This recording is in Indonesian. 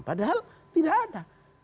padahal tidak ada